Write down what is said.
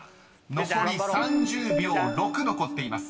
残り３０秒６残っています］